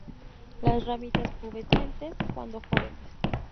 Las ramitas pubescentes cuando jóvenes.